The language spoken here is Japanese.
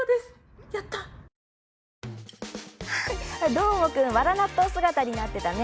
どーもくんわら納豆姿になってたね。